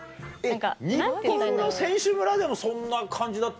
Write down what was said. えっ日本の選手村でもそんな感じだったり。